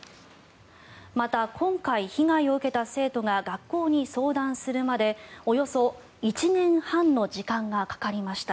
また、今回、被害を受けた生徒が学校に相談するまでおよそ１年半の時間がかかりました。